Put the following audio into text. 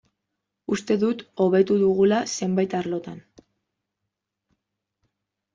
Uste dut hobetu dugula zenbait arlotan.